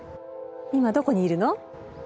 今どこにいるの？